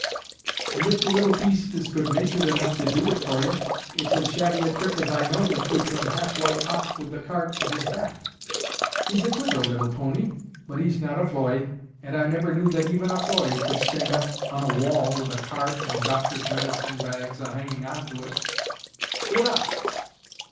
"And if the little beast is good natured enough to do it for ye, it's as shabby a trick as I know to keep him half way up with the cart at his back. He's a cliver little pony, but he's not a floy; and I never knew that even a floy could stand on a wall with a cart and doctor's medicine bags a hanging on to it. G'tup!"